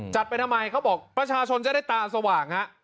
จะไปทำไมเขาบอกประชาชนจะได้ตาสว่างฮะ